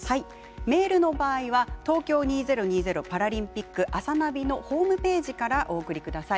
メールの場合は「東京２０２０パラリンピックあさナビ」のホームページからお送りください。